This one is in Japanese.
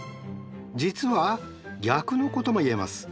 実は逆のことも言えます。